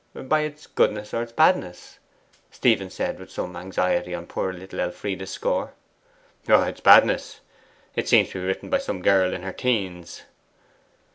'By its goodness or its badness?' Stephen said with some anxiety on poor little Elfride's score. 'Its badness. It seems to be written by some girl in her teens.